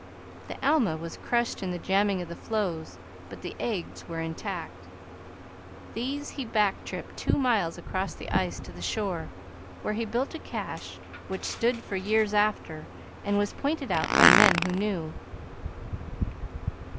The Alma was crushed in the jamming of the floes, but the eggs were intact. These he back tripped two miles across the ice to the shore, where he built a cache, which stood for years after and was pointed out by men who knew.